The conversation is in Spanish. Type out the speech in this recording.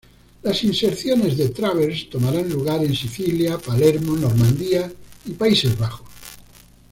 Las inserciones de Travers tomarán lugar en Sicilia, Palermo, Normandía y Países Bajos.